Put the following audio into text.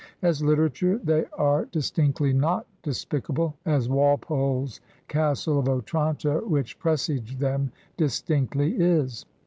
As literature they are dis tinctly not despicable, as Walpole's "Castle of Otranto,'* which presaged them, distinctly is.